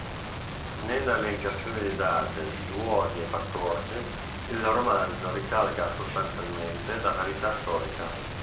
Nella elencazione di date, luoghi e percorsi il romanzo ricalca sostanzialmente la verità storica.